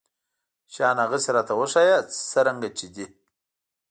شيان هغسې راته وښايه څرنګه چې دي.